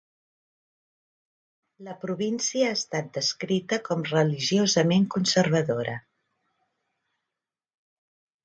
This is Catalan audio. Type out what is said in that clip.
La província ha estat descrita com "religiosament conservadora".